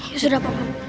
ya sudah paman